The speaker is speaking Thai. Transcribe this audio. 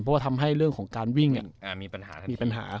เพราะว่าทำให้เรื่องของการวิ่งมีปัญหา